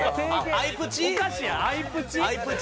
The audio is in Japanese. アイプチや。